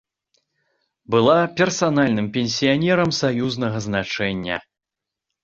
Была персанальным пенсіянерам саюзнага значэння.